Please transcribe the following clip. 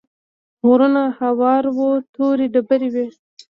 غرونه هوار وو تورې ډبرې وې.